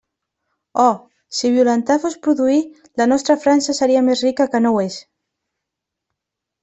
Oh!, si violentar fos produir, la nostra França seria més rica que no ho és.